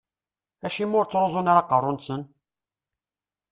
Acimi ur ttruẓun ara aqerru-nsen?